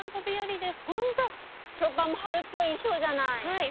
ショーパンも春っぽい衣装じゃない。